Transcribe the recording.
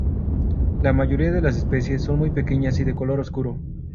La mayoría de las especies son muy pequeñas y de color oscuro.